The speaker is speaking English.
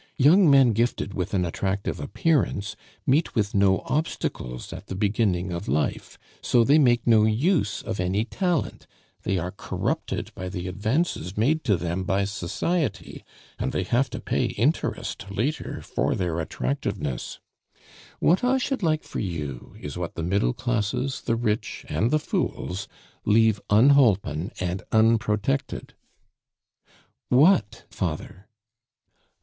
Young men gifted with an attractive appearance meet with no obstacles at the beginning of life, so they make no use of any talent; they are corrupted by the advances made to them by society, and they have to pay interest later for their attractiveness! What I should like for you is what the middle classes, the rich, and the fools leave unholpen and unprotected " "What, father?"